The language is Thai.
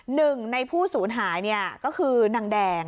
หนึ่งในผู้สูญหายก็คือนางแดง